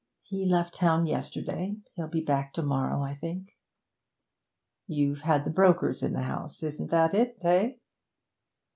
'He left town yesterday. He'll be back to morrow, I think.' 'You've had the brokers in the house isn't that it, eh?'